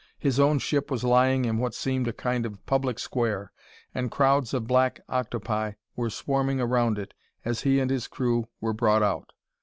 His own ship was lying in what seemed a kind of public square, and crowds of black octopi were swarming around it as he and his crew were brought out.